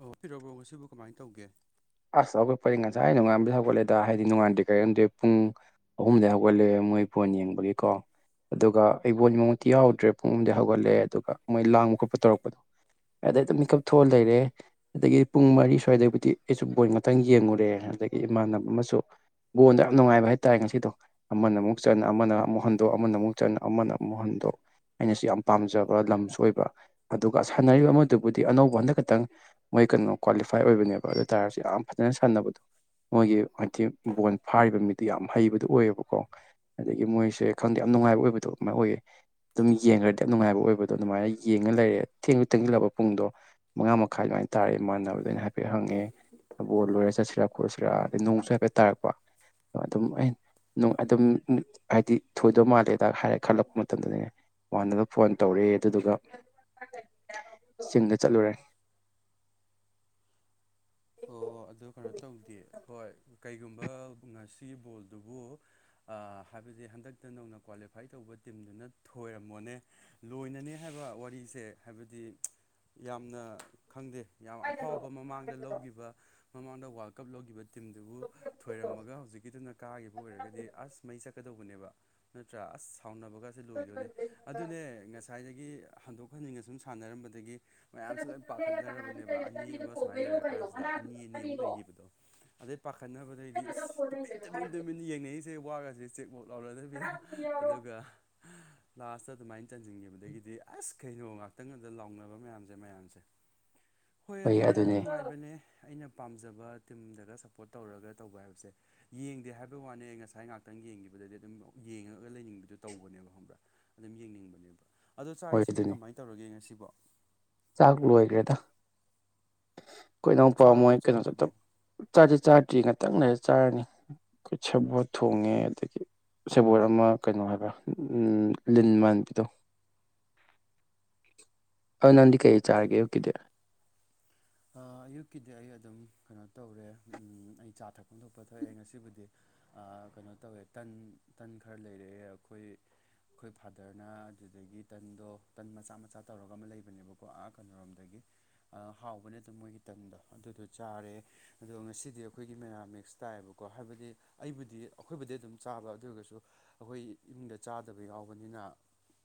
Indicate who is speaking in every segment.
Speaker 1: ꯑꯣ ꯄꯤꯔꯛꯕ꯭ꯔꯣ ꯉꯁꯤꯕꯨ ꯀꯃꯥꯏꯅ ꯇꯧꯒꯦ
Speaker 2: ꯑꯁ ꯍꯧꯒꯠꯄꯅꯤ ꯉꯁꯥꯏ ꯑ ꯅꯣꯡꯉꯥꯟꯕꯗꯤ ꯍꯧꯒꯠꯂꯦꯗ ꯍꯥꯏꯗꯤ ꯅꯣꯡꯉꯥꯟꯗꯦ ꯀꯔꯤꯔꯝꯗꯦ ꯄꯨꯡ ꯑꯍꯨꯝꯗ ꯍꯧꯒꯠꯂꯛꯑꯦ ꯃꯣꯏ ꯐꯣꯟ ꯌꯦꯡꯕꯒꯤꯀꯣ ꯑꯗꯨꯒ ꯑꯩꯕꯣ ꯏ ꯃꯉꯠꯇꯤ ꯌꯥꯎꯗ꯭ꯔꯦ ꯄꯨꯡ ꯑꯗꯤ ꯍꯧꯒꯠꯂꯦ ꯑꯗꯨꯒ ꯃꯣꯏ ꯂꯥꯡꯕ ꯈꯣꯠꯄ ꯇꯧꯔꯛꯄꯗꯣ ꯑꯗꯩ ꯑꯗꯨꯝ ꯃꯤꯀꯞ ꯊꯣꯛꯑꯒ ꯂꯩꯔꯦ ꯑꯗꯨꯗꯒꯤ ꯄꯨꯡ ꯃꯔꯤ ꯁ꯭ꯋꯥꯏꯗꯕꯨꯗꯤ ꯑꯩꯁꯨ ꯕꯣꯏ ꯃꯛꯇꯪ ꯌꯦꯡꯉꯨꯔꯦ ꯑꯗꯒꯤ ꯏꯃꯥꯟꯅꯕ ꯑꯃꯁꯨ ꯕꯣꯟꯗ ꯌꯥꯝ ꯅꯨꯡꯉꯥꯏꯕ ꯍꯥꯏꯇꯥꯔꯦ ꯉꯁꯤꯗꯣ ꯑꯃꯅ ꯑꯃꯨꯛ ꯆꯟꯅ ꯑꯃꯅ ꯑꯃꯨꯛ ꯍꯟꯗꯣꯛ ꯑꯃꯅ ꯑꯃꯨꯛ ꯆꯟꯅ ꯑꯃꯅ ꯑꯃꯨꯛ ꯍꯟꯗꯣꯛ ꯑꯩꯅꯁꯨ ꯌꯥꯝ ꯄꯥꯝꯖꯕ ꯂꯝꯁꯨ ꯑꯣꯏꯕ ꯑꯗꯨꯒ ꯁꯥꯟꯅꯔꯤꯕ ꯑꯃꯗꯨꯕꯨꯗꯤ ꯑꯅꯧꯕ ꯍꯟꯗꯛ ꯈꯛꯇꯪ ꯃꯣꯏ ꯀꯩꯅꯣ ꯀ꯭ꯋꯥꯂꯤꯐꯥꯏ ꯑꯣꯏꯕꯅꯦꯕ ꯑꯗꯨ ꯑꯣꯏꯇꯥꯥꯔꯁꯨ ꯌꯥꯝ ꯐꯖꯅ ꯁꯥꯟꯅꯕꯗꯣ ꯃꯣꯏꯒꯤ ꯍꯥꯏꯗꯤꯤ ꯕꯣꯟ ꯐꯥꯔꯤꯕ ꯃꯤꯗꯨ ꯌꯥꯝ ꯍꯩꯕꯗꯨ ꯑꯣꯏꯌꯦꯕꯀꯣ ꯑꯗꯒꯤ ꯃꯣꯏꯁꯦ ꯈꯪꯗꯦ ꯌꯥꯝ ꯅꯨꯡꯉꯥꯏꯕ ꯑꯣꯏꯕꯗꯣ ꯑꯃ ꯑꯣꯏꯌꯦ ꯑꯗꯨꯝ ꯌꯦꯡꯈ꯭ꯔꯗꯤ ꯌꯥꯝ ꯅꯨꯡꯉꯥꯏꯕ ꯑꯣꯏꯕꯗꯣ ꯑꯗꯨꯃꯥꯏꯅ ꯌꯦꯡꯉ ꯂꯩꯔꯦ ꯊꯦꯡꯨ ꯊꯦꯡꯖꯤꯜꯂꯛꯕ ꯄꯨꯡꯗꯣ ꯃꯉꯥ ꯃꯈꯥꯏ ꯑꯗꯨꯃꯥꯏꯅ ꯇꯥꯔꯦ ꯃꯥꯟꯅꯕꯗ ꯑꯩꯅ ꯍꯥꯏꯐꯦꯠ ꯍꯪꯉꯦ꯫ ꯕꯣꯜ ꯂꯣꯏꯔ ꯆꯠꯁꯤꯔꯥ ꯈꯣꯠꯁꯤꯔꯥ ꯑꯗꯩ ꯅꯣꯡꯁꯨ ꯍꯥꯏꯐꯦꯠ ꯇꯥꯔꯛꯄ ꯑꯗꯨꯝ ꯑꯩꯅ꯫ ꯅꯣꯡ ꯑꯗꯨꯝ ꯍꯥꯏꯗꯤ ꯊꯣꯏꯗꯧ ꯃꯥꯜꯂꯦꯗ ꯍꯥꯏꯔꯦ ꯈꯜꯂꯛꯄ ꯃꯇꯝꯗꯅꯤꯅꯦ꯫ ꯋꯥꯗꯒ ꯐꯣꯟ ꯇꯧꯔꯦ ꯑꯗꯨꯗꯨꯒ ꯆꯤꯡꯗ ꯆꯠꯂꯨꯔꯦ꯫
Speaker 1: ꯑꯣ ꯑꯗꯨ ꯀꯩꯅꯣ ꯇꯧꯗꯦ ꯍꯣꯏ ꯀꯩꯒꯨꯝꯕ ꯉꯁꯤ ꯕꯣꯜꯗꯨꯕꯨ꫰꫰ ꯍꯥꯏꯕꯗꯤ ꯍꯟꯗꯛꯇ ꯅꯧꯅ ꯀ꯭ꯋꯥꯂꯤꯐꯥꯏ ꯇꯧꯕ ꯇꯤꯝꯗꯨꯅ ꯊꯣꯏꯔꯝꯃꯣꯅꯦ꯫ ꯂꯣꯏꯅꯅꯤ ꯍꯥꯏꯕ ꯋꯥꯔꯤꯁꯦ ꯍꯥꯏꯕꯗꯤ ꯌꯥꯝꯅ ꯈꯪꯗꯦ꯫ ꯌꯥꯝ ꯑꯐꯥꯎꯕ ꯃꯃꯥꯡꯗ ꯂꯧꯈꯤꯕ ꯃꯃꯥꯡꯗ ꯋꯥꯂ ꯀꯞ ꯂꯧꯈꯤꯕ ꯇꯤꯝꯗꯨꯕꯨ ꯊꯣꯏꯔꯝꯃꯒ ꯍꯧꯖꯤꯛꯀꯤꯗꯨꯅ ꯀꯥꯈꯤꯕ ꯑꯣꯏꯔꯒꯗꯤ ꯑꯁ ꯃꯩ ꯆꯠ ꯀꯗꯧꯕꯅꯦꯕ ꯅꯠꯇ꯭ꯔꯥ ꯑꯁ ꯁꯥꯎꯅꯕꯒꯁꯦ ꯂꯣꯏꯗꯣꯏꯅꯦ ꯑꯗꯨꯅꯦ ꯉꯁꯥꯏ꯫ ꯉꯁꯥꯏꯗꯒꯤ ꯍꯟꯗꯣꯛ ꯍꯟꯖꯤꯝꯒ ꯁꯨꯝ ꯁꯥꯟꯅꯔꯝꯕꯗꯒꯤ꯫ ꯃꯌꯥꯝꯁꯨ ꯂꯣꯏꯟ ꯄꯥꯈꯠꯅꯔꯕꯅꯦꯕ ꯑꯅꯤ ꯑꯃ ꯁꯨꯃꯥꯏꯅ ꯂꯩꯔꯀꯥꯟꯁꯤꯗ ꯑꯅꯤ ꯑꯅꯤꯃꯨꯛ ꯂꯩꯈꯤꯕꯗꯣ꯫ ꯑꯗꯩ ꯄꯥꯈꯠꯅꯕꯗꯩꯗꯤ ꯑꯁ ꯇꯨꯃꯤꯟ ꯇꯨꯃꯤꯟ ꯇꯨꯃꯤꯟ ꯌꯦꯡꯅꯔꯤꯁꯦ ꯋꯥꯒꯁꯦ ꯆꯦꯛ ꯃꯨꯛ ꯂꯥꯎꯅꯗꯕꯤꯗ꯫ ꯑꯗꯨꯒ꯫ ꯂꯥꯁꯇ ꯑꯗꯨꯃꯥꯏꯅ ꯆꯟꯁꯤꯟꯈꯤꯕꯒꯤꯗꯤ ꯑꯁ ꯀꯩꯅꯣ ꯉꯥꯛꯇꯪ ꯑꯗꯨꯗ ꯂꯥꯎꯅꯕ ꯃꯌꯥꯝꯁꯦ ꯃꯌꯥꯝꯁꯦ꯫ ꯍꯣꯏ ꯑꯗꯨꯅꯦ ꯑꯗꯨꯝ ꯅꯨꯡꯉꯥꯏꯕꯅꯦ꯫ ꯑꯩꯅ ꯄꯥꯝꯖꯕ ꯇꯤꯝꯗꯒ ꯁꯞꯄꯣꯔꯠ ꯇꯧꯔꯒ ꯇꯧꯕ ꯍꯥꯏꯕꯁꯦ꯫ ꯌꯦꯡꯗꯦ ꯍꯥꯏꯕꯩ ꯋꯥꯅꯦ ꯉꯁꯥꯏ ꯉꯥꯏꯍꯥꯛꯇꯪ ꯌꯦꯡꯈꯤꯕꯗꯗꯤ ꯑꯗꯨꯝ ꯌꯦꯡꯉꯒ ꯂꯩꯅꯤꯡꯗꯔꯦ ꯇꯧꯕꯅꯦꯕ ꯈꯪꯕ꯭ꯔꯥ꯫ ꯑꯗꯨꯝ ꯌꯦꯡꯅꯤꯡꯕꯅꯦꯕ ꯑꯗꯣ ꯆꯥꯛ
Speaker 2: ꯍꯣꯏ
Speaker 1: ꯏꯁꯤꯡꯗꯤ
Speaker 2: ꯑꯗꯨꯅꯤ
Speaker 1: ꯀꯃꯥꯏꯅ ꯇꯧꯔꯒꯦ ꯉꯁꯤꯕꯣ꯫
Speaker 2: ꯆꯥꯛ ꯂꯣꯏꯈ꯭ꯔꯦꯗ ꯑꯥꯈꯣꯏ ꯏꯅꯥꯎꯄ
Speaker 1: ꯆꯥꯔꯕꯣ
Speaker 2: ꯃꯣꯏ ꯀꯩꯅꯣꯗꯨ
Speaker 1: ꯆꯥꯗ꯭ꯔꯤꯕꯣ
Speaker 2: ꯫ ꯆꯥꯗꯤꯦ ꯆꯥꯗ꯭ꯔꯤ ꯉꯥꯛꯇꯪ ꯂꯩꯔ ꯆꯥꯔꯅꯤ ꯑꯩꯈꯣꯏ ꯁꯕꯣꯠ ꯊꯣꯡꯉꯦ ꯑꯗꯒꯤ ꯁꯦꯕꯣꯠ ꯑꯃ ꯀꯩꯅꯣ ꯍꯥꯏꯕ ꯂꯤꯟ ꯃꯥꯟꯕꯤꯗꯣ꯫ ꯑꯗꯣ ꯅꯪꯗꯤ ꯀꯩ ꯆꯥꯔꯒꯦ ꯑꯌꯨꯛꯀꯤꯗꯤ꯫
Speaker 1: ꯑꯌꯨꯛꯀꯤꯗꯤ ꯑꯩ ꯑꯗꯨꯝ ꯀꯩꯅꯣ ꯇꯧꯔꯦ ꯑꯩ ꯆꯥ ꯊꯛꯐꯝ ꯊꯣꯛꯄ ꯊꯥꯛꯑꯦ ꯉꯁꯤꯕꯨꯗꯤ꯫ ꯀꯩꯅꯣ ꯇꯧꯋꯦ ꯇꯟ ꯇꯟ ꯈꯔ ꯂꯩꯔꯛꯑꯦ ꯑꯩꯈꯣꯏ꯫ ꯑꯩꯈꯣꯏ ꯐꯥꯗꯔꯅ ꯑꯗꯨꯗꯒꯤ ꯇꯟꯗꯣ ꯇꯟ ꯃꯆꯥ ꯃꯆꯥ ꯇꯧꯔꯒ ꯑꯃ ꯂꯩꯕꯅꯦꯕꯀꯣ ꯑꯥ ꯀꯩꯅꯔꯣꯝꯗꯒꯤ꯫ ꯍꯥꯎꯕ ꯅꯠꯇꯕ ꯃꯣꯏꯒꯤ ꯇꯝꯗꯣ ꯑꯗꯨꯗꯣ ꯆꯥꯔꯦ꯫ ꯑꯗꯣ ꯉꯁꯤꯗꯤ ꯑꯩꯈꯣꯏꯒꯤ ꯃꯦꯅꯥꯃꯤꯛꯁ ꯇꯥꯏꯌꯦꯕꯀꯣ ꯍꯥꯏꯕꯗꯤ꯫ ꯑꯩꯕꯨꯗꯤ ꯑꯩꯈꯣꯏꯕꯨꯗꯤ ꯑꯗꯨꯝ ꯆꯥꯕ ꯑꯗꯨ ꯑꯣꯏꯔꯒꯁꯨ ꯑꯩꯈꯣꯏ ꯏꯃꯨꯡꯗ ꯆꯥꯗꯕ ꯌꯥꯎꯕꯅꯤꯅ꯫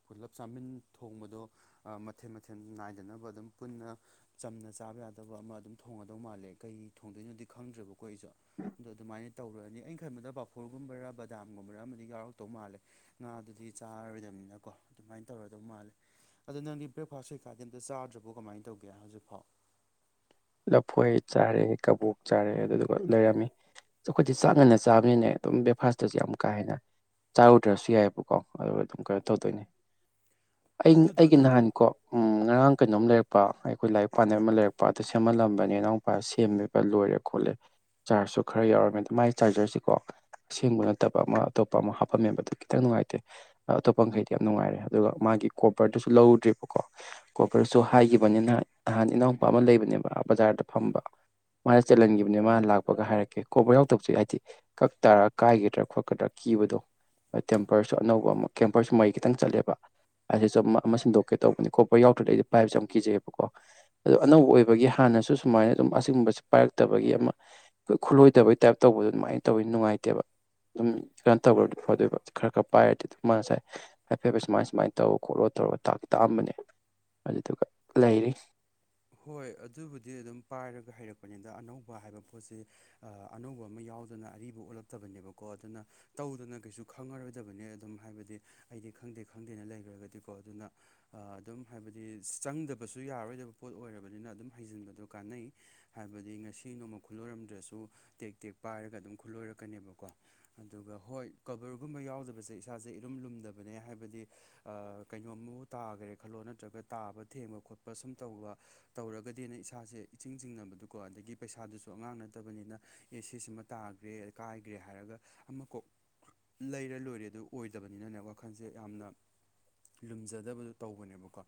Speaker 1: ꯄꯨꯂꯞ ꯆꯥꯃꯤꯟ ꯊꯣꯡꯕꯗꯣ ꯑꯥ ꯃꯊꯦꯜ ꯃꯊꯦꯜ ꯅꯥꯏꯗꯅꯕ ꯑꯗꯨꯝ ꯄꯨꯟꯅ꯫ ꯆꯝꯅ ꯆꯥꯕ ꯌꯥꯗꯧꯕ ꯑꯃ ꯑꯗꯨꯝ ꯊꯣꯡꯉꯗꯧ ꯃꯥꯜꯂꯦ ꯀꯩ ꯊꯣꯡꯗꯣꯏꯅꯣꯗꯤ ꯈꯪꯗ꯭ꯔꯦꯕꯀꯣ ꯑꯩꯁꯨ꯫ ꯑꯗꯣ ꯑꯗꯨꯃꯥꯏꯅ ꯇꯧꯔꯅꯤ ꯑꯩꯅ ꯈꯟꯕꯗ ꯄꯥꯐꯣꯔ ꯒꯨꯝꯕꯔꯥ ꯕꯗꯥꯝꯒꯨꯝꯕꯔ ꯑꯃꯗꯤ ꯌꯥꯎꯔꯛꯇꯧ ꯃꯥꯜꯂꯦ꯫ ꯉꯥꯗꯨꯗꯤ ꯆꯥꯔꯔꯣꯏꯗꯝꯅꯤꯅꯀꯣ ꯑꯗꯨꯃꯥꯏꯅ ꯇꯧꯔꯗꯧ ꯃꯥꯜꯂꯦ꯫ ꯑꯗꯨ ꯅꯪꯗꯤ ꯕ꯭ꯔꯦꯛꯐꯥꯁ ꯀꯩꯀꯥꯗꯤ ꯑꯝꯇ ꯆꯥꯗ꯭ꯔꯕꯣ ꯀꯃꯥꯏꯅ ꯇꯧꯒꯦ ꯍꯧꯖꯤꯛꯐꯥꯎ꯫
Speaker 2: ꯂꯐꯣꯏ ꯆꯥꯔꯦ ꯀꯕꯣꯛ ꯆꯥꯔꯦ ꯑꯗꯨꯗꯨꯒ ꯂꯩꯔꯝꯃꯤ꯫ ꯑꯩꯈꯣꯏꯁ ꯆꯥꯛ ꯉꯥꯟꯅ ꯆꯥꯕꯅꯤꯅꯦ ꯑꯗꯨꯝ ꯕ꯭ꯔꯦꯛꯐꯥꯁꯇꯁꯨ ꯌꯥꯝ ꯀꯥ ꯍꯦꯟꯅ꯫ ꯆꯥꯔꯨꯗ꯭ꯔꯁꯨ ꯌꯥꯏꯑꯕꯀꯣ ꯑꯗꯨꯒ ꯑꯗꯨꯝ ꯀꯩꯅꯣ ꯇꯧꯗꯣꯏꯅꯦ꯫ ꯑꯩ
Speaker 1: ꯑꯗꯨꯗꯣ
Speaker 2: ꯑꯩꯒꯤ
Speaker 1: ꯅꯪ
Speaker 2: ꯅꯍꯥꯟꯀꯣ ꯎ ꯉꯔꯥꯡ ꯀꯩꯅꯣꯝ ꯂꯩꯔꯛꯄ ꯑꯩꯈꯣꯏ ꯂꯥꯏꯔꯤꯛ ꯄꯥ ꯑꯃ ꯂꯩꯔꯛꯄ꯫ ꯁꯦꯝꯍꯜꯂꯝꯕꯅꯦ ꯏꯅꯥꯎꯄꯥ ꯁꯦꯝꯃꯦꯕ ꯂꯣꯏꯔꯦ ꯈꯣꯠꯂꯦ꯫ ꯆꯥꯔꯖꯁꯨ ꯈꯔ ꯌꯥꯎꯔꯝꯃꯦꯗ ꯃꯒꯤ ꯆꯥꯔꯖꯔꯁꯤꯀꯣ꯫ ꯑꯁꯦꯡꯕ ꯅꯠꯇꯕ ꯑꯃ ꯑꯇꯣꯞꯄ ꯑꯃ ꯍꯥꯞꯄꯝꯃꯦꯕ ꯑꯗꯨ ꯈꯤꯇꯪ ꯅꯨꯡꯉꯥꯏꯇꯦ꯫ ꯑꯇꯣꯞꯄ ꯃꯈꯩꯗꯤ ꯌꯥꯝ ꯅꯨꯡꯉꯥꯏꯔꯦ ꯑꯗꯨꯒ ꯃꯥꯒꯤ ꯀꯣꯕꯔꯗꯨꯁꯨ ꯂꯧꯔꯨꯗ꯭ꯔꯦꯕꯀꯣ꯫ ꯀꯣꯄꯔꯁꯨ ꯍꯥꯏꯈꯤꯕꯅꯤ ꯅꯍꯥꯟ ꯏꯅꯥꯎꯄꯥ ꯑꯃ ꯂꯩꯕꯅꯦꯕ ꯕꯖꯥꯔꯗ ꯐꯝꯕ꯫ ꯃꯥꯅ ꯆꯜꯍꯟꯈꯤꯕꯅꯦ ꯃꯥꯅ ꯂꯥꯛꯄꯒ ꯍꯥꯏꯔꯛꯀꯦ ꯀꯣꯕꯔ ꯌꯥꯎꯗꯕꯁꯦ ꯍꯥꯏꯗꯤ꯫ ꯀꯛ ꯇꯔ ꯀꯥꯏꯒꯤꯗ꯭ꯔꯥ ꯈꯣꯠꯀꯗ꯭ꯔꯥ ꯀꯤꯕꯗꯣ꯫ ꯇꯦꯝꯄꯔꯁꯨ ꯑꯅꯧꯕ ꯑꯃ ꯀꯦꯝꯄꯔꯁꯨ ꯃꯔꯤ ꯈꯤꯇꯪ ꯆꯠꯂꯦꯕ꯫ ꯑꯁꯤꯁꯨ ꯑꯃ ꯁꯤꯟꯗꯣꯛꯀꯦ ꯇꯧꯕꯅꯤ ꯀꯣꯕꯔ ꯌꯥꯎꯗ꯭ꯔꯗꯤ ꯑꯩꯗꯤ ꯄꯥꯏꯕꯁꯦ ꯌꯥꯝ ꯀꯤꯖꯩꯑꯕꯀꯣ ꯑꯗꯣ ꯑꯅꯧꯕ ꯑꯣꯏ꯫ ꯒꯤ ꯍꯥꯟꯅꯁꯨ ꯁꯨꯃꯥꯏꯅ ꯑꯗꯨꯝ ꯑꯁꯤꯒꯨꯝꯕꯁꯤ ꯄꯥꯏꯔꯛꯇꯕꯒꯤ ꯑꯃ꯫ ꯈꯨꯠꯂꯣꯏꯗꯕꯩ ꯇꯥꯏꯞ ꯇꯧꯕꯗꯣ ꯑꯗꯨꯃꯥꯏꯅ ꯇꯧꯏ ꯅꯨꯡꯉꯥꯏꯇꯦꯕ꯫ ꯑꯗꯨꯝ ꯀꯩꯅꯣ ꯇꯧꯒꯔꯗꯤ ꯐꯇꯣꯏꯕ ꯈꯔ ꯈꯔ ꯄꯥꯏꯔꯗꯤ ꯑꯗꯨ ꯃꯥ ꯉꯁꯥꯏ꯫ ꯍꯥꯏꯐꯦꯠ ꯁꯨꯃꯥꯏ ꯁꯨꯃꯥꯏꯅ ꯇꯧꯔ ꯈꯣꯠꯂꯣ ꯇꯧꯔꯣ ꯇꯥꯛꯑꯝꯕꯅꯦ ꯑꯗꯨꯗꯨꯒ ꯂꯩꯔꯤ
Speaker 1: ꯍꯣꯏ ꯑꯗꯨꯕꯨꯗꯤ ꯑꯗꯨꯝ ꯄꯥꯏꯔꯒ ꯍꯩꯔꯛꯄꯅꯤꯗ ꯑꯅꯧꯕ ꯍꯥꯏꯕ ꯄꯣꯠꯁꯤ ꯑꯅꯧꯕ ꯑꯃ ꯌꯥꯎꯗꯅ ꯑꯔꯤꯕ ꯑꯣꯜꯂꯛꯇꯕꯅꯦꯕꯀꯣ ꯑꯗꯨꯅ ꯇꯧꯗꯅ ꯀꯩꯁꯨ ꯈꯪꯉꯔꯣꯏꯗꯕꯅꯤ ꯑꯗꯨꯝ ꯍꯥꯏꯕꯗꯤ ꯑꯩꯗꯤ ꯈꯪꯗꯦ ꯈꯪꯗꯦꯅ ꯂꯩꯈ꯭ꯔꯒꯗꯤꯀꯣ ꯑꯗꯨꯅ ꯑꯗꯨꯝ ꯍꯥꯏꯕꯗꯤ ꯆꯪꯗꯕꯁꯨ ꯌꯥꯔꯣꯏꯗꯕ ꯄꯣꯠ ꯑꯣꯏꯔꯕꯅꯤꯅ ꯑꯗꯨꯝ ꯍꯩꯖꯤꯟꯕꯗꯣ ꯀꯥꯟꯅꯩ ꯍꯥꯏꯕꯗꯤ ꯉꯁꯤ ꯅꯣꯡꯃ ꯈꯨꯜꯂꯣꯏꯔꯝꯗ꯭ꯔꯁꯨ ꯇꯦꯛ ꯇꯦꯛ ꯄꯥꯏꯔꯒ ꯑꯗꯨꯝ ꯈꯨꯜꯂꯣꯏꯔꯛꯀꯅꯦꯕꯀꯣ ꯑꯗꯨꯒ ꯍꯣꯏ ꯀꯕꯔꯒꯨꯝꯕ ꯌꯥꯎꯗꯕꯁꯦ ꯏꯁꯥꯁꯦ ꯏꯔꯨꯝ ꯂꯨꯝꯗꯕꯅꯦ ꯍꯥꯏꯕꯗꯤ ꯀꯩꯅꯣꯝꯃꯕꯨ ꯇꯥꯈꯔꯦ ꯈꯜꯂꯣ ꯅꯠꯇ꯭ꯔꯒ ꯇꯥꯕ ꯊꯦꯡꯕ ꯈꯣꯠꯄ ꯁꯨꯝ ꯇꯧꯕ ꯇꯧꯔꯒꯗꯤꯅ ꯏꯁꯥꯁꯦ ꯏꯁꯤꯡ ꯆꯤꯡꯅꯕꯗꯨꯀꯣ ꯑꯗꯒꯤ ꯄꯩꯁꯥꯗꯨꯁꯨ ꯑꯉꯥꯡ ꯅꯠꯇꯕꯅꯤꯅ ꯑꯦ ꯁꯤꯁꯤꯃ ꯇꯥꯈ꯭ꯔꯦ ꯀꯥꯏꯈ꯭ꯔꯦ ꯍꯥꯏꯔꯒ ꯑꯃ ꯀꯣꯛ ꯂꯩꯔ ꯂꯣꯏꯔꯦ ꯑꯗꯨ ꯑꯣꯏꯗꯕꯅꯤꯅꯅꯦ ꯋꯥꯈꯜꯁꯦ ꯌꯥꯝꯅ ꯂꯨꯝꯖꯗꯕꯗꯨ ꯇꯧꯕꯅꯦꯕꯀꯣ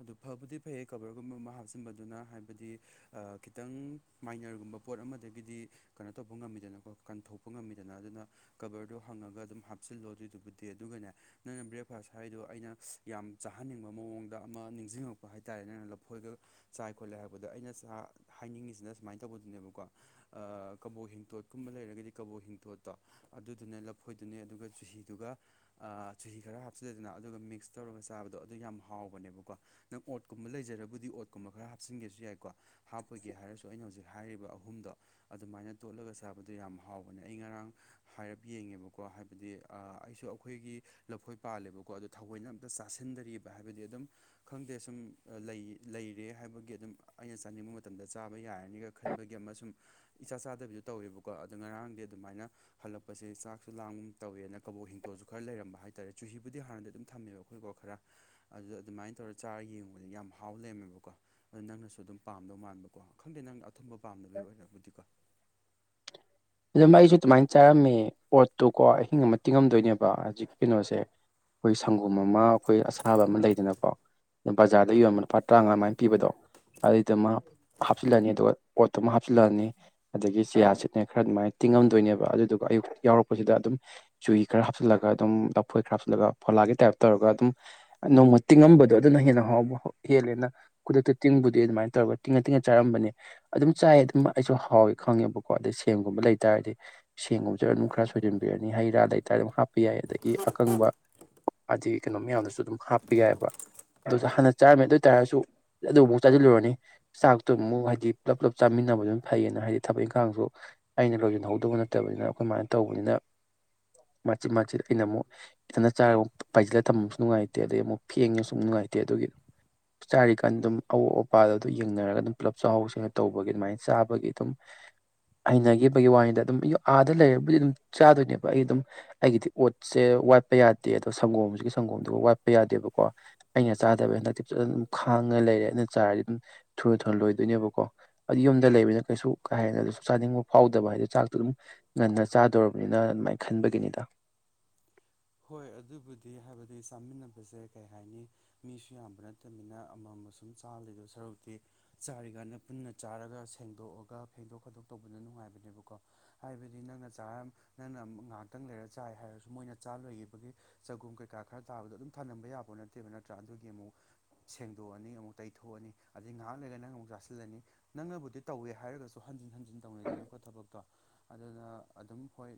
Speaker 1: ꯑꯗꯨ ꯐꯕꯨꯗꯤ ꯐꯩꯌꯦ ꯀꯕꯔꯒꯨꯝꯕ ꯑꯃ ꯍꯥꯞꯆꯤꯟꯕꯗꯨꯅ ꯍꯥꯏꯕꯗꯤ ꯈꯤꯇꯪ ꯃꯥꯏꯅꯔꯒꯨꯝꯕ ꯄꯣꯠ ꯑꯃꯗꯒꯤꯗꯤ ꯀꯩꯅꯣ ꯇꯧꯕ ꯉꯝꯃꯤꯗꯅꯀꯣ ꯀꯟꯊꯣꯛꯄ ꯉꯝꯃꯤꯗꯅ ꯑꯗꯨꯅ ꯀꯕꯔꯗꯣ ꯍꯪꯉꯒ ꯑꯗꯨꯝ ꯍꯥꯞꯆꯤꯜꯂꯣ ꯑꯗꯨꯗꯨꯕꯨꯗꯤ ꯑꯗꯨꯒꯅꯦ ꯅꯪꯅ ꯕ꯭ꯔꯦꯛꯐꯥꯁ ꯍꯥꯏꯗꯣ ꯑꯩꯅ ꯌꯥꯝ ꯆꯥꯍꯟꯅꯤꯡꯕ ꯃꯑꯣꯡꯗ ꯑꯃ ꯅꯤꯡꯁꯤꯡꯉꯛꯄ ꯍꯥꯏꯇꯥꯔꯦ ꯅꯪꯅ ꯂꯐꯣꯏꯒ ꯆꯥꯏ ꯈꯣꯠꯂꯦ ꯍꯥꯏꯕꯗꯣ ꯑꯩꯅ ꯆ ꯍꯥꯏꯅꯤꯡꯉꯤꯁꯤꯅ ꯁꯨꯃꯥꯏꯅ ꯇꯧꯕꯗꯨꯅꯦꯕꯀꯣ ꯀꯕꯣꯛ ꯍꯤꯡꯇꯣꯠꯀꯨꯝꯕ ꯂꯩꯔꯒꯗꯤ ꯀꯕꯣꯛ ꯍꯤꯡꯇꯣꯠꯇꯣ ꯑꯗꯨꯗꯨꯅ ꯂꯐꯣꯏꯗꯨꯅꯦ ꯑꯗꯨꯒ ꯨꯍꯤꯗꯨꯒ ꯆꯨꯍꯤ ꯈꯔ ꯍꯥꯞꯆꯜꯂꯦꯗꯅ ꯑꯗꯨꯒ ꯃꯤꯛꯁ ꯇꯧꯔꯒ ꯆꯥꯕꯗꯣ ꯑꯗꯨ ꯌꯥꯝ ꯍꯥꯎꯕꯅꯦꯕꯀꯣ ꯅꯪ ꯑꯣꯠꯀꯨꯝꯕ ꯂꯩꯖꯔꯕꯨꯗꯤ ꯑꯣꯠꯀꯨꯝꯕ ꯈꯔ ꯍꯥꯞꯆꯤꯟꯒꯦꯁꯨ ꯌꯥꯏꯀꯣ ꯍꯥꯞꯄꯒꯦ ꯍꯥꯏꯔꯁꯨ ꯑꯩꯅ ꯍꯧꯖꯤꯛ ꯍꯥꯏꯔꯤꯕ ꯑꯍꯨꯝꯗꯣ ꯑꯗꯨꯃꯥꯏꯅ ꯇꯣꯠꯂꯒ ꯆꯕꯗꯨ ꯌꯥꯝ ꯍꯥꯎꯕꯅꯦ ꯑꯩ ꯉꯔꯥꯡ ꯍꯥꯏꯔꯞ ꯌꯦꯡꯉꯦꯕꯀꯣ ꯍꯥꯏꯕꯗꯤ ꯑꯩꯁꯨ ꯑꯩꯈꯣꯏꯒꯤ ꯂꯐꯣꯏ ꯄꯥꯜꯂꯦꯕꯀꯣ ꯑꯗꯣ ꯊꯑꯣꯏꯅ ꯑꯝꯇ ꯆꯥꯁꯤꯟꯗꯔꯤꯕꯑ ꯍꯥꯏꯕꯗꯤ ꯑꯗꯨꯝ ꯈꯪꯗꯦ ꯁꯨꯝ ꯂꯩ ꯍꯥꯏꯕꯒꯤ ꯑꯗꯨꯝ ꯑꯩꯅ ꯆꯥꯅꯤꯡꯕ ꯃꯇꯝꯗ ꯆꯥꯕ ꯌꯥꯔꯅꯤꯒ ꯈꯟꯕꯒꯤ ꯑꯃꯁꯨꯡ ꯏꯆꯥ ꯆꯥꯗꯕꯤꯗ ꯇꯧꯋꯦꯕꯀꯣ ꯑꯗꯣ ꯉꯔꯥꯡꯗꯤ ꯑꯗꯨꯃꯥꯏꯅ ꯍꯜꯂꯛꯄꯁꯦ ꯆꯥꯛꯁꯨ ꯂꯥꯡꯒꯨꯝ ꯇꯧꯋꯦꯅ ꯀꯕꯣꯛ ꯍꯤꯡꯇꯣꯜꯁꯨ ꯈꯔ ꯂꯩꯔꯝꯕ ꯍꯥꯏꯇꯥꯥꯔꯦ ꯆꯨꯍꯤꯕꯨꯗꯤ ꯍꯥꯟꯅꯗꯤ ꯑꯗꯨꯝ ꯊꯝꯃꯦꯕꯀꯣ ꯑꯩꯈꯣꯏꯀꯣ ꯈꯔ ꯑꯗꯨꯗ ꯑꯗꯨꯃꯥꯏꯅ ꯇꯧꯔꯒ ꯆꯥꯔꯒ ꯌꯦꯡꯉꯨꯕꯗ ꯌꯥꯝ ꯍꯥꯎ ꯂꯩꯔꯝꯃꯦꯕꯀꯣ ꯀꯣ ꯑꯗꯨ ꯅꯪꯅꯁꯨ ꯑꯗꯨꯝ ꯄꯥꯝꯗꯧ ꯃꯥꯟꯕ ꯀꯣ ꯈꯪꯗꯦ ꯅꯪꯅ ꯑꯊꯨꯝꯕ ꯄꯥꯝꯗꯅꯕꯒꯤ ꯑꯣꯏꯔꯕꯨꯗꯤꯀꯣ
Speaker 2: ꯑꯗꯨꯗ ꯃ ꯑꯩꯁꯨ ꯑꯗꯨꯃꯥꯏꯅ ꯆꯥꯔꯝꯃꯤ ꯄꯣꯠꯇꯨꯀꯣ ꯑꯍꯤꯡ ꯑꯃ ꯇꯤꯡꯉꯝꯗꯣꯏꯅꯦꯕ ꯍꯧꯖꯤꯛ ꯀꯩꯅꯣꯁꯦ ꯑꯩꯈꯣꯏ ꯁꯪꯒꯣꯝ ꯑꯃ ꯑꯩꯈꯣꯏ ꯑꯁꯥꯕ ꯑꯃ ꯂꯩꯗꯅꯀꯣ ꯖꯥꯔꯗ ꯌꯣꯟ ꯂꯨꯄꯥ ꯇꯔꯥꯃꯉꯥꯃꯥꯏ ꯄꯤꯕꯗꯣ ꯑꯗꯨꯏꯗꯨꯃ ꯍꯥꯞꯆꯤꯜꯂꯅꯤ ꯑꯗꯨꯒ ꯑꯣꯠꯇꯨꯃ ꯍꯥꯞꯆꯤꯜꯂꯅꯤ ꯑꯗꯒꯤ ꯆꯤꯌꯥꯔ ꯁꯤꯠꯅ ꯈꯔ ꯑꯗꯨꯃꯥꯏꯅ ꯇꯤꯡꯉꯝꯗꯣꯏꯅꯦꯕ ꯑꯗꯨꯗꯨꯒ ꯑꯌꯨꯛ ꯌꯥꯎꯔꯛꯄꯁꯤꯗ ꯑꯗꯨꯝ ꯆꯨꯏ ꯈꯔ ꯍꯥꯞꯆꯤꯜꯂꯒ ꯑꯗꯨꯝ ꯂꯐꯣꯏ ꯈꯔ ꯍꯥꯞꯆꯤꯜꯂꯒ ꯐꯣꯂꯥꯒꯤ ꯇꯥꯏꯞ ꯇꯧꯔꯒ ꯑꯗꯨꯝ ꯅꯣꯡꯃ ꯇꯤꯡꯉꯝꯕꯗꯣ ꯑꯗꯨꯅ ꯍꯦꯟꯅ ꯍꯥꯎꯕ ꯍꯦꯜꯂꯦꯅ ꯈꯨꯗꯛꯇ ꯇꯤꯡꯕꯨꯗꯤ ꯑꯗꯨꯃꯥꯏꯅ ꯇꯧꯔꯒ ꯇꯤꯡꯉ ꯇꯤꯡꯉ ꯆꯔꯝꯕꯅꯤ ꯑꯗꯨꯝ ꯆꯥꯏ ꯑꯗꯨꯝ ꯑꯩꯁꯨ ꯍꯥꯎꯋ ꯈꯪꯉꯦꯕꯀꯣ ꯑꯗꯩ ꯁꯦꯝꯒꯨꯝꯕ ꯂꯩꯇꯥꯥꯔꯗꯤ ꯁꯦꯡꯒꯨꯝꯖ ꯑꯗꯨꯝ ꯈꯔ ꯁꯣꯏꯖꯟꯕꯤꯔꯅꯤ ꯍꯩ ꯔꯥ ꯂꯩꯇꯔ ꯑꯗꯨꯝ ꯍꯥꯞꯄ ꯌꯥꯏ ꯑꯗꯒꯤ ꯑꯀꯪꯕ ꯑꯩ ꯀꯩꯅꯣ ꯃꯌꯥꯝꯗꯁꯨ ꯑꯗꯨꯝ ꯍꯥꯞꯄ ꯌꯥꯏꯑꯕ ꯑꯗꯨ ꯍꯥꯟꯅ ꯆꯥꯔꯝꯃꯦ ꯑꯗꯨ ꯑꯣꯏꯇꯥꯔꯁꯨ ꯑꯗꯨꯐꯥꯎꯛ ꯆꯥꯁꯤꯜꯂꯨꯔꯅꯤ ꯆꯥꯛꯇꯨ ꯑꯃꯨꯛ ꯍꯥꯏꯗꯤ ꯄꯨꯂꯞ ꯄꯨꯂꯞ ꯆꯥꯃꯤꯟꯅꯕꯗꯨꯝ ꯐꯩꯌꯦꯅ ꯍꯥꯏꯗꯤ ꯊꯕꯛ ꯏꯪꯈꯥꯡꯁꯨ ꯑꯩꯅ ꯂꯣꯏꯁꯤꯟꯍꯧꯗꯧꯕ ꯅꯠꯇꯕꯅꯤꯅ ꯑꯩꯈꯣꯏꯃꯥꯏꯅ ꯇꯧꯕꯅꯤꯅ ꯃꯆꯦꯠ ꯃꯆꯦꯠ ꯑꯩꯅ ꯑꯃꯨꯛ ꯈꯤꯇꯅ ꯆꯥꯔ ꯑꯃꯛ ꯄꯥꯏꯖꯤꯜꯂ ꯇꯝꯕꯁꯨ ꯅꯨꯡꯉꯥꯏꯇꯦ ꯑꯗꯩ ꯑꯃꯨꯛ ꯐꯦꯡꯉꯦꯁꯨ ꯁꯨꯝ ꯅꯨꯡꯉꯥꯏꯇꯦ ꯑꯗꯨꯒꯤ ꯆꯥꯔꯤꯀꯥꯟ ꯑꯗꯨꯝ ꯑꯋꯥꯣꯠ ꯑꯄꯥꯗ ꯑꯗꯨ ꯌꯦꯡꯅꯔꯒ ꯑꯗꯨꯝ ꯄꯨꯂꯞ ꯆꯥꯛꯍꯥꯎꯁꯤꯡꯦꯡꯅ ꯇꯧꯕꯒꯤ ꯑꯗꯨꯃꯥꯏꯅ ꯆꯥꯕꯒꯤ ꯑꯗꯨꯝ ꯍꯩꯅꯈꯤꯕꯒꯤ ꯋꯥꯔꯤꯗ ꯑꯗꯨꯝ ꯑꯥꯗ ꯂꯩꯔꯕꯨꯗꯤ ꯑꯗꯨꯝ ꯆꯥꯗꯣꯏꯅꯦꯕ ꯑꯩ ꯑꯗꯨꯝ ꯑꯩꯒꯤꯗꯤ ꯑꯣꯠꯁꯦ ꯋꯥꯠꯄ ꯌꯥꯗꯦ ꯑꯗꯣ ꯁꯪꯒꯣꯝꯁꯤꯒꯤ ꯁꯪꯒꯣꯝꯗꯨꯒ ꯋꯥꯠꯄ ꯌꯥꯗꯦꯕꯀꯣ ꯑꯩꯅ ꯆꯥꯗꯕꯩ ꯍꯟꯗꯛꯇꯤ ꯐꯖꯅ ꯑꯗꯨꯝ ꯈꯥꯡꯉ ꯂꯩꯔꯦ ꯑꯩꯅ ꯆꯥꯔꯗꯤ ꯑꯗꯨꯝ ꯊꯨꯔ ꯊꯨꯔ ꯂꯣꯏꯗꯣꯏꯅꯦꯕꯀꯣ ꯑꯗꯨ ꯌꯨꯝꯗ ꯂꯩꯕꯅꯤꯅ ꯀꯩꯁꯨ ꯀꯥꯏ ꯍꯥꯏꯦꯅ ꯑꯗꯨꯁꯨ ꯆꯥꯅꯤꯡꯕ ꯐꯥꯎꯗꯕ ꯍꯥꯏꯗꯤꯣ ꯆꯥꯛꯇꯣ ꯑꯗꯨꯝ ꯉꯟꯅ ꯆꯥꯗꯣꯔꯔꯕꯅꯤꯅ ꯑꯗꯨꯃꯥꯏꯅ ꯈꯟꯕꯒꯤꯅꯤꯗ
Speaker 1: ꯍꯣꯏ ꯑꯗꯨꯕꯨꯗꯤ ꯍꯥꯏꯕꯗꯤ ꯆꯥꯃꯤꯟꯅꯕꯁꯦ ꯀꯩ ꯍꯥꯏꯅꯤ ꯃꯤꯁꯨ ꯌꯥꯝꯕ ꯅꯠꯇꯕꯅꯤꯅ ꯑꯃꯃ ꯁꯨꯝ ꯆꯥꯜꯂꯤꯗ ꯁꯔꯨꯛꯇꯤ ꯆꯥꯔꯤꯀꯥꯟꯗ ꯄꯨꯟꯅ ꯆꯥꯔꯒ ꯁꯦꯡꯗꯣꯛꯑꯒ ꯐꯦꯡꯗꯣꯛ ꯈꯥꯠꯇꯣꯛ ꯇꯧꯕꯅ ꯅꯨꯡꯉꯥꯏꯕꯅꯦꯕꯀꯣ ꯍꯥꯏꯕꯗꯤ ꯅꯪꯅ ꯆ ꯅꯪꯅ ꯉꯥꯏꯍꯥꯛꯇꯪ ꯂꯩꯔ ꯆꯥꯏ ꯍꯥꯏꯔꯁꯨ ꯃꯣꯏꯅ ꯆꯥ ꯂꯣꯏꯕꯒꯤ ꯆꯒꯨꯝ ꯀꯩꯀꯥ ꯈꯔ ꯇꯥꯕꯗꯣ ꯑꯗꯨꯝ ꯊꯝꯂꯝꯕ ꯌꯥꯕ ꯅꯠꯇꯦꯕ ꯅꯠꯇ꯭ꯔꯥ ꯑꯗꯨꯒꯤ ꯑꯃꯨꯛ ꯁꯦꯡꯗꯣꯛꯑꯅꯤ ꯑꯃꯨꯛ ꯇꯩꯊꯣꯛꯑꯅꯤ ꯑꯗꯩ ꯉꯥꯏꯍꯥꯛ ꯂꯩꯔꯒ ꯅꯪ ꯑꯃꯨꯛ ꯆꯥꯁꯤꯜꯂꯅꯤ ꯅꯪꯅꯕꯨꯗꯤ ꯇꯧꯋꯦ ꯍꯥꯏꯔꯒꯁꯨ ꯍꯟꯖꯤꯟ ꯍꯟꯖꯤꯟ ꯇꯧꯅꯩꯗꯅꯀꯣ ꯊꯕꯛꯇꯣ ꯑꯗꯨꯅ ꯑꯗꯨꯝ ꯍꯣꯏ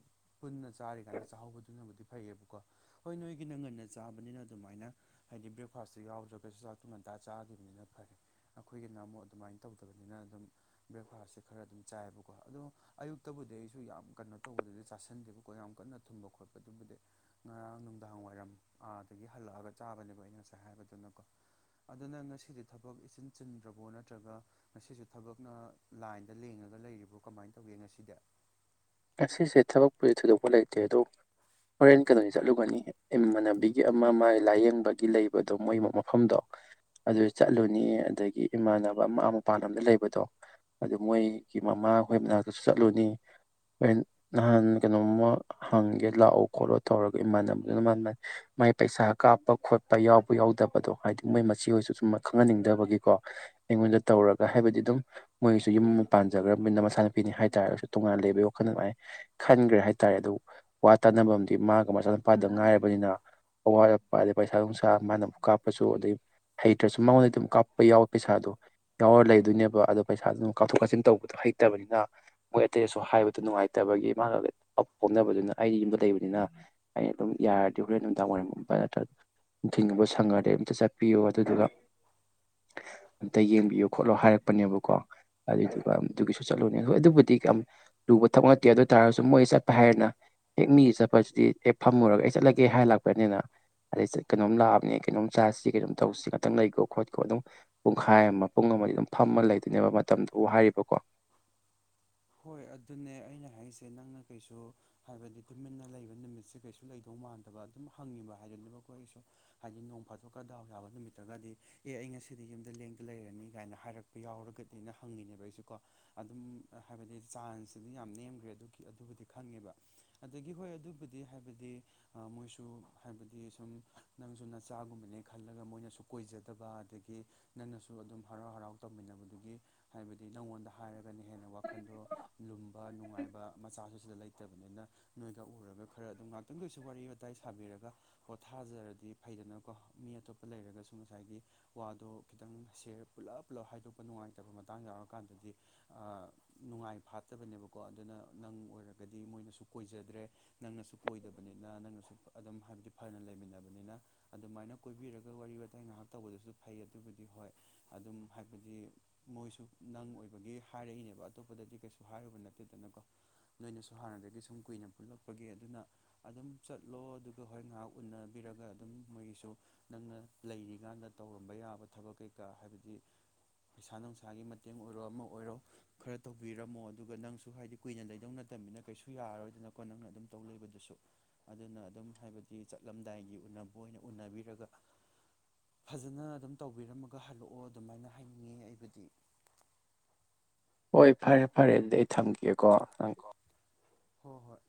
Speaker 1: ꯄꯨꯟꯅ ꯆꯥꯔꯤꯀꯥꯟꯗ ꯆꯥꯍꯧꯕꯗꯨꯅꯕꯨꯗꯤ ꯐꯩꯌꯦꯕꯀꯣ ꯍꯣꯏ ꯅꯣꯏꯒꯤꯅ ꯉꯟꯅ ꯆꯥꯕꯅꯤꯅ ꯑꯗꯨꯃꯥꯏꯅ ꯍꯥꯏꯗꯤ ꯕ꯭ꯔꯦꯛꯐꯥꯁꯇꯨ ꯌꯥꯎꯗ꯭ꯔꯒꯁꯨ ꯆ ꯆꯥꯛꯇꯨ ꯉꯟꯇꯥ ꯆꯥꯈꯤꯕꯅꯤꯅ ꯐꯔꯦ ꯑꯩꯈꯣꯏꯒꯤꯅ ꯑꯃꯨꯛ ꯑꯗꯨꯃꯥꯏꯅ ꯇꯧꯗꯕꯅꯤꯅ ꯑꯗꯨꯝ ꯕ꯭ꯔꯦꯛꯐꯥꯁꯁꯦ ꯈꯔ ꯑꯗꯨꯝ ꯆꯥꯏꯕꯀꯣ ꯑꯗꯣ ꯑꯌꯨꯛꯇꯕꯨꯗꯤ ꯑꯩꯁꯨ ꯌꯥꯝ ꯀꯩꯅꯣ ꯇꯧꯕꯗꯨꯗꯤ ꯆꯥꯁꯟꯗꯦꯕꯀꯣ ꯌꯥꯝ ꯀꯟꯅ ꯊꯨꯝꯕ ꯈꯣꯠꯄꯗꯨꯕꯨꯗꯤ ꯉꯔꯥꯡ ꯅꯨꯡꯗꯥꯡ ꯋꯥꯏꯔꯝ ꯑꯥꯗꯒꯤ ꯍꯜꯂꯛꯑꯒ ꯆꯥꯕꯅꯦꯕꯣ ꯑꯩꯅ ꯉꯁꯥꯏ ꯍꯥꯏꯕꯗꯨꯅꯀꯣ ꯑꯗꯨꯅ ꯉꯁꯤꯗꯤ ꯊꯕꯛ ꯏꯆꯤꯟ ꯆꯤꯟꯗ꯭ꯔꯕꯣ ꯅꯠꯇ꯭ꯔꯒ ꯉꯁꯤꯁꯨ ꯊꯕꯛꯅ ꯂꯥꯏꯟꯗ ꯂꯦꯡꯉꯒ ꯂꯩꯔꯤꯕ꯭ꯔꯣ ꯀꯃꯥꯏꯅ ꯇꯧꯒꯦ ꯉꯁꯤꯗꯤ
Speaker 2: ꯉꯁꯤꯁꯦ ꯊꯕꯛꯄꯨꯗꯤ ꯊꯣꯏꯗꯣꯛꯄ ꯂꯩꯇꯦ ꯑꯗꯣ ꯍꯣꯔꯦꯟ ꯀꯩꯅꯣꯅꯤ
Speaker 1: ꯍꯣꯔꯦꯟ ꯀ
Speaker 2: ꯆꯠꯂꯨꯒꯅꯤ ꯏꯃꯥꯟꯅꯕꯤꯒꯤ ꯑꯃ ꯃꯥꯒꯤ ꯂꯥꯏꯌꯦꯡꯕꯒꯤ ꯂꯩꯕꯗꯣ ꯃꯣꯏ ꯃꯐꯝꯗꯣ ꯑꯗꯨ ꯆꯠꯂꯨꯅꯤ ꯑꯗꯒꯤ ꯏꯃꯥꯟꯅꯕ ꯑꯃ ꯃꯄꯥꯟ ꯂꯝꯗ ꯂꯩꯕꯗꯣ ꯑꯗꯨ ꯃꯣꯏꯒꯤ ꯃꯃꯥꯈꯣꯏ ꯃꯅꯥꯛꯇꯁꯨ ꯆꯠꯂꯨꯅꯤ ꯍꯣꯏ ꯅꯍꯥꯟ ꯀꯩꯅꯣꯝꯃ ꯍꯪꯒꯦ ꯂꯥꯛꯑꯣ ꯈꯣꯠꯂꯣ ꯇꯧꯔꯒ ꯏꯃꯥꯟꯅꯕꯗꯨꯅ ꯃꯥꯟ ꯃꯩ ꯃꯥꯏ ꯄꯩꯁꯥ ꯀꯥꯞꯄ ꯈꯣꯠꯄ ꯌꯥꯎꯕ ꯌꯥꯎꯗꯕꯗꯣ ꯍꯥꯏꯗꯤ ꯃꯣꯏ ꯃꯆꯤ ꯑꯣꯏꯣꯏꯁꯨ ꯁꯨꯝ ꯈꯪꯍꯟꯅꯤꯡꯗꯕꯒꯤꯀꯣ ꯑꯩꯉꯣꯟꯗ ꯇꯧꯔꯒ ꯍꯥꯏꯕꯗꯤ ꯑꯗꯨꯝ ꯃꯣꯏꯒꯤꯁꯨ ꯌꯨꯝ ꯑꯃ ꯄꯥꯟꯖꯈ꯭ꯔꯕꯅꯤꯅ ꯃꯆꯥꯥꯅ ꯅꯨꯄꯤꯅꯤ ꯍꯥꯏ ꯇꯇꯥꯔꯁꯨ ꯇꯣꯉꯥꯟꯅ ꯂꯩꯕ ꯌꯥꯌꯣ ꯀꯩꯅꯃꯥꯏ ꯈꯟꯈ꯭ꯔꯦ ꯍꯥꯏꯇꯥꯔꯦ ꯑꯗꯨ ꯋꯥ ꯇꯥꯅꯕ ꯑꯃꯗꯤꯝ ꯃꯥꯒ ꯃꯆꯥꯅꯨꯄꯥꯗ ꯉꯥꯏꯔꯕꯅꯤꯅ ꯑꯋꯥꯠꯄ ꯑꯗꯩ ꯄꯩꯁꯥ ꯅꯨꯡꯁꯥ ꯃꯥꯅ ꯑꯃꯨꯛ ꯀꯥꯞꯄꯁꯨ ꯑꯗꯩ ꯍꯩꯇ꯭ꯔꯁꯨ ꯃꯉꯣꯟꯗ ꯑꯗꯨꯝ ꯀꯥꯞꯄ ꯌꯥꯎꯋ ꯄꯩꯁꯥꯗꯣ ꯌꯥꯎꯔ ꯂꯩꯗꯣꯏꯅꯦꯕ ꯑꯗꯣ ꯄꯩꯁꯥꯗꯨ ꯑꯗꯨ ꯀꯥꯞꯊꯣꯛ ꯀꯥꯁꯤꯟ ꯇꯧꯕꯗꯣ ꯍꯩꯇꯕꯅꯤꯅ ꯃꯣꯏ ꯑꯇꯩꯁꯨ ꯍꯥꯏꯕ ꯅꯨꯡꯉꯥꯏꯇꯕꯒꯤ ꯃꯥꯒ ꯄꯣꯛꯝꯅꯕꯗꯨꯅ ꯑꯩꯗꯤ ꯌꯨꯝꯗ ꯂꯩꯕꯅꯤꯅ ꯑꯩ ꯑꯗꯨꯝ ꯌꯥꯔꯗꯤ ꯍꯣꯔꯦꯟ ꯅꯨꯡꯗꯥꯡ ꯋꯥꯏꯔꯝ ꯅꯠꯇ꯭ꯔ ꯊꯤꯡꯉꯕ ꯁꯪꯉꯗꯤ ꯑꯝꯇ ꯆꯠꯄꯤꯌꯨ ꯑꯗꯨꯗꯨꯒ ꯑꯝꯇ ꯌꯦꯡꯕꯤꯌꯣ ꯈꯣꯠꯂꯣ ꯍꯥꯏꯔꯛꯄꯅꯦꯕꯀꯣ ꯑꯗꯨꯏꯗꯨꯒ ꯑꯗꯨꯒꯤꯁꯨ ꯆꯠꯂꯨꯅꯦꯣꯏ ꯑꯗꯨꯕꯨꯗꯤ ꯂꯨꯕ ꯊꯕ ꯅꯠꯇꯦ ꯑꯗꯨ ꯇꯥꯔꯒꯁꯨ ꯃꯣꯏ ꯆꯠꯄ ꯍꯥꯏꯔꯦꯅ ꯍꯦꯛ ꯃꯤꯒꯤ ꯆꯠꯄꯁꯤꯗꯤ ꯍꯦꯛ ꯐꯝꯃꯨꯔꯒ ꯑꯩ ꯆꯠꯂꯒꯦ ꯍꯥꯏ ꯂꯥꯛꯄꯅꯤꯅ ꯑꯗꯩ ꯀꯩꯅꯣꯝ ꯂꯥꯛꯑꯕꯅꯦ ꯀꯩꯅꯣꯝ ꯆꯥꯁꯤ ꯀꯩꯅꯣꯝ ꯇꯧꯁꯤ ꯈꯇꯪ ꯂꯩꯀꯣ ꯈꯣꯠꯀꯣ ꯑꯗꯨꯝ ꯄꯨꯡꯈꯥꯏ ꯑꯃ ꯄꯨꯡ ꯑꯃꯗꯤ ꯑꯗꯨꯝ ꯐꯝꯃ ꯂꯩꯗꯣꯏꯅꯦꯕ ꯃꯇꯝꯗꯨꯣꯕꯨ ꯍꯥꯏꯔꯤꯕꯀꯣ
Speaker 1: ꯍꯣꯏ ꯑꯗꯨꯅꯦ ꯑꯩꯅ ꯍꯥꯏꯁꯦ ꯅꯪꯅ ꯀꯩꯁꯨ ꯍꯥꯏꯕꯗꯤ ꯇꯨꯃꯤꯟꯅ ꯂꯩꯕ ꯅꯨꯃꯤꯠꯁꯦ ꯀꯩꯁꯨ ꯂꯩꯗꯧ ꯃꯥꯟꯗꯕ ꯑꯗꯨꯝ ꯍꯪꯉꯤꯕ ꯍꯥꯏꯗꯨꯅꯦꯕ ꯑꯩꯈꯣ ꯑꯩꯁꯨ ꯍꯥꯏꯗꯤ ꯅꯣꯡ ꯐꯥꯗꯣꯛ ꯀꯗꯥꯎ ꯌꯥꯕ ꯅꯨꯃꯤꯠꯇꯒꯗꯤ ꯑꯦ ꯑꯩ ꯉꯁꯤꯗꯤ ꯌꯨꯝꯗ ꯂꯦꯡꯗ ꯂꯩꯔꯅꯤ ꯀꯥꯏꯅ ꯍꯥꯏꯔꯛꯄ ꯌꯥꯎꯔꯒꯅꯦꯅ ꯍꯪꯉꯤꯅꯦꯕ ꯑꯩꯁꯨꯀꯣ ꯑꯗꯨꯝ ꯍꯥꯏꯕꯗꯤ ꯆꯥꯟꯁꯁꯤꯗꯤ ꯌꯥꯝ ꯅꯦꯝꯈ꯭ꯔꯦ ꯑꯗꯨꯒꯤ ꯑꯗꯨꯕꯨꯗꯤ ꯈꯪꯉꯦꯕ ꯑꯗꯒꯤ ꯍꯣꯏ ꯑꯗꯨꯕꯨꯗꯤ ꯍꯥꯏꯕꯗꯤ ꯃꯣꯏꯁꯨ ꯍꯥꯏꯕꯗꯤ ꯁꯨꯝ ꯅꯪꯁꯨ ꯅꯆꯥꯒꯨꯝꯕꯅꯦ ꯈꯜꯂꯒ ꯃꯣꯏꯅꯁꯨ ꯀꯣꯏꯖꯗꯕ ꯑꯗꯒꯤ ꯅꯪꯅꯁꯨ ꯑꯗꯨꯝ ꯍꯔꯥꯎ ꯍꯔꯥꯎ ꯇꯧꯃꯤꯟꯅꯕꯗꯨꯒꯤ ꯍꯥꯏꯕꯗꯤ ꯅꯪꯉꯣꯟꯗ ꯍꯥꯏꯔꯒꯅ ꯍꯦꯟꯅ ꯋꯥꯛ ꯋꯥꯟꯗꯣ ꯂꯨꯝꯕ ꯅꯨꯡꯉꯥꯏꯕ ꯃꯆꯥꯁꯨ ꯁꯤꯗ ꯂꯩꯇꯕꯅꯤꯅ ꯅꯣꯏꯒ ꯎꯔꯒ ꯈꯔ ꯑꯗꯨꯝ ꯉꯥꯛꯇꯪꯗ ꯑꯣꯏꯁꯨ ꯋꯥꯔꯤ ꯋꯥꯇꯥꯏ ꯁꯥꯕꯤꯔꯒ ꯍꯣ ꯊꯥꯖꯔꯗꯤ ꯐꯩꯗꯅꯀꯣ ꯃꯤ ꯑꯇꯣꯞꯄ ꯂꯩꯔꯒꯁꯨ ꯉꯁꯥꯏꯒꯤ ꯋꯥꯗꯣ ꯈꯤꯇꯪ ꯁꯦꯌꯔ ꯄꯨꯂꯞ ꯄꯨꯜꯂꯞ ꯍꯥꯏꯗꯣꯛꯄ ꯅꯨꯡꯉꯥꯏꯇꯕ ꯃꯇꯥꯡ ꯌꯥꯎꯔꯀꯥꯟꯗꯗꯤ ꯅꯨꯡꯉꯥꯏ ꯐꯥꯠꯇꯕꯅꯦꯕꯀꯣ ꯑꯗꯨꯅ ꯅꯪ ꯑꯣꯏꯔꯒꯗꯤ ꯃꯣꯏꯅꯁꯨ ꯀꯣꯏꯖꯗ꯭ꯔꯦ ꯅꯪꯅꯁꯨ ꯀꯣꯏꯗꯕꯅꯤꯅ ꯅꯪꯅꯁꯨ ꯑꯗꯨꯝ ꯍꯥꯏꯕꯗꯤ ꯐꯅ ꯂꯩꯃꯤꯟꯅꯕꯅꯤꯅ ꯑꯗꯨꯃꯥꯏꯅ ꯀꯣꯏꯕꯤꯔꯒ ꯋꯥꯔꯤ ꯋꯥꯇꯥꯏ ꯉꯥꯏꯍꯥꯛ ꯇꯧꯕꯗꯨꯁꯨ ꯐꯩ ꯑꯗꯨꯕꯨꯗꯤ ꯍꯣꯏ ꯑꯗꯨꯝ ꯍꯥꯏꯕꯗꯤ ꯃꯣꯏꯁꯨ ꯅꯪ ꯑꯣꯏꯕꯒꯤ ꯍꯥꯏꯔꯛꯏꯅꯦꯕ ꯑꯇꯣꯞꯄꯗꯗꯤ ꯀꯩꯁꯨ ꯍꯥꯏꯔꯨꯕ ꯅꯠꯇꯦꯗꯅꯀꯣ ꯅꯣꯏꯅꯁꯨ ꯍꯥꯟꯅꯗꯒꯤ ꯁꯨꯝ ꯀꯨꯏꯅ ꯄꯨꯜꯂꯛꯄꯒꯤ ꯑꯗꯨꯅ ꯑꯗꯨꯝ ꯆꯠꯂꯣ ꯑꯗꯨ ꯍꯣꯏ ꯉꯥꯏꯍꯥꯛ ꯎꯟꯅꯕꯤꯔꯒ ꯑꯗꯨꯝ ꯃꯣꯏꯒꯤꯁꯨ ꯅꯪꯅ ꯂꯩꯔꯤꯀꯥꯟꯗ ꯇꯧꯔꯝꯕ ꯌꯥꯕ ꯊꯕꯛ ꯀꯩꯀꯥ ꯍꯥꯏꯕꯗꯤ ꯄꯩꯁꯥ ꯅꯨꯡꯁꯥꯒꯤ ꯃꯇꯦꯡ ꯑꯣꯏꯔꯣ ꯑꯃ ꯑꯣꯏꯔꯣ ꯈꯔ ꯇꯧꯕꯤꯔꯝꯃꯣ ꯑꯗꯨꯒ ꯅꯪꯁꯨ ꯍꯥꯏꯗꯤ ꯀꯨꯏꯅ ꯂꯩꯗꯧ ꯅꯠꯇꯕꯃꯤꯅ ꯀꯩꯁꯨ ꯌꯥꯔꯔꯣꯏꯗꯅꯀꯣ ꯅꯪꯅ ꯑꯗꯨꯝ ꯇꯧ ꯂꯩꯕꯗꯨꯁꯨ ꯑꯗꯨꯅ ꯑꯗꯨꯝ ꯍꯥꯏꯕꯗꯤ ꯆꯠꯂꯝꯗꯥꯏꯒꯤ ꯎꯅꯕ ꯑꯣꯏꯅ ꯎꯅꯕꯤꯔꯒ ꯐꯖꯅ ꯑꯗꯨꯝ ꯇꯧꯕꯤꯔꯝꯃꯒ ꯍꯜꯂꯛꯑꯣ ꯑꯗꯨꯃꯥꯏꯅ ꯍꯥꯏꯅꯤꯡꯉꯦ ꯑꯩꯕꯨꯗꯤ
Speaker 2: ꯍꯣꯏ ꯐꯔꯦ ꯐꯔꯦ ꯑꯗꯨꯗꯤ ꯑꯩ ꯊꯝꯒꯦ
Speaker 1: ꯊꯝꯒꯦꯀꯣ ꯍꯣꯏ ꯍꯣꯏ